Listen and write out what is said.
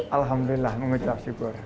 alhamdulillah mengucap syukur